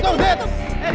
tokoh bisa memutuskan